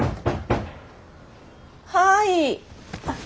はい。